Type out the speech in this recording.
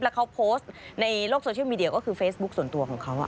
แล้วเขาโพสต์ในโลกโซเชียลมีเดียก็คือเฟซบุ๊คส่วนตัวของเขา